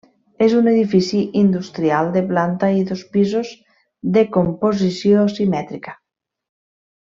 És un edifici industrial de planta i dos pisos de composició simètrica.